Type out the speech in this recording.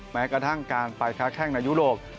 แม้กระทั่งการไปค้าแข้งในยุโรป